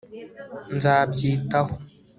nzabyitaho